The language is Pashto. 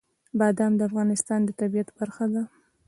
بادام د افغانستان د طبیعت برخه ده.